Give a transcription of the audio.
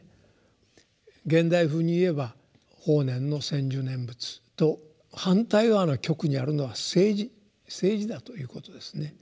現代風に言えば法然の専修念仏と反対側の極にあるのは政治政治だということですね。